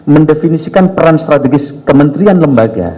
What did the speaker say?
mendefinisikan peran strategis kementerian lembaga